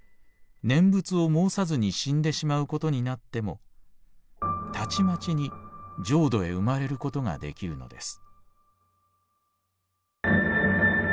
念仏を申さずに死んでしまうことになってもたちまちに浄土へ生まれることができるのです」。